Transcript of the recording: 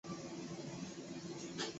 这里也有可萨汗国的宫殿。